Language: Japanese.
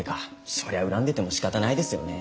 そりゃ恨んでてもしかたないですよね。